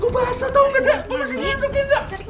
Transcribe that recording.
masa tau ga dia masih gini